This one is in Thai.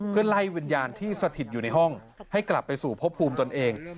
เพื่อไล่วิญญาณที่สถิตอยู่ในห้องให้กลับไปสู่พบภูมิตนเอง